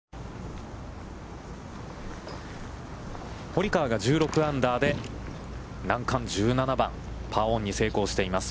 堀川が１６アンダーで、難関の１７番、パーオンに成功しています。